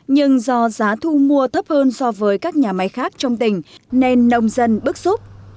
nhưng do giá thu mua thấp hơn so với các nhà máy khác trong tỉnh nên nông dân bức xúc